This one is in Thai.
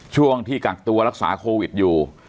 ช่วงที่กักตัวรักษาโควิดอยู่